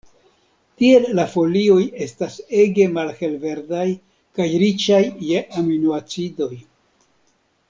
Tiel la folioj estas ege malhelverdaj kaj riĉaj je aminoacidoj.